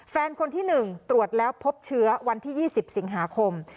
แฟนคนที่๑ตรวจแล้วพบเชื้อวันที่๒๐สิงหาคม